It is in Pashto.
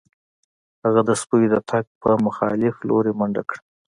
هغه د سپیو د تګ په مخالف لوري منډه کړه